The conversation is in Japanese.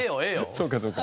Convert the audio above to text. そうかそうか。